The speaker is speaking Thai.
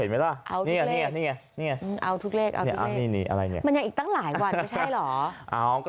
มันยังอีกตั้งหลายวันก็ใช่หรอ